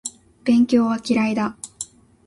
勉強は嫌いだ